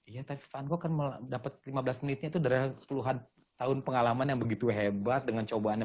ya tepung akan mendapat lima belas menit itu dari puluhan tahun pengalaman yang begitu hebat dengan cobaannya